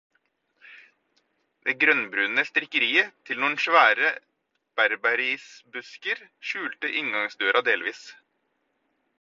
Det grønnbrune stikkeriet til noen svære berberisbusker skjulte inngangsdøra delvis.